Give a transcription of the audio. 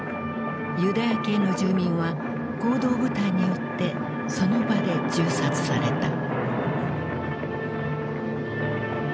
ユダヤ系の住民は行動部隊によってその場で銃殺された。